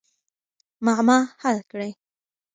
معما حل کړئ.